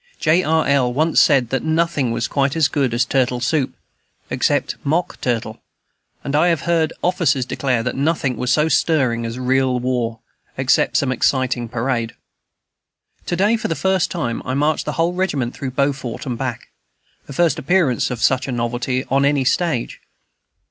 J. R. L. said once that nothing was quite so good as turtle soup, except mock turtle; and I have heard officers declare that nothing was so stirring as real war, except some exciting parade. To day, for the first time, I marched the whole regiment through Beaufort and back, the first appearance of such a novelty on any stage.